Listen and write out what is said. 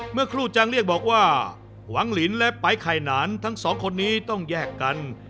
เมื่อครูจังเรียกบอกว่าหวังลินและไปไข่นานทั้งสองคนนี้ต้องแยกกัน